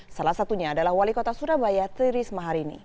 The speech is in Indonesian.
salah satunya adalah wali kota surabaya tri risma harini